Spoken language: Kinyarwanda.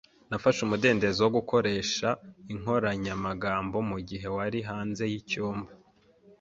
Nafashe umudendezo wo gukoresha inkoranyamagambo mugihe wari hanze yicyumba.